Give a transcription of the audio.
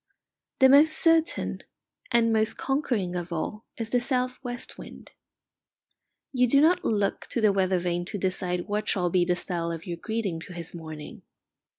The most certain and most conquering of all is the south west wind. You do not look to the weather vane to decide what shall be the style of your greeting to his morning.